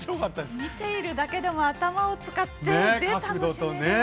見ているだけでも頭を使って楽しめる。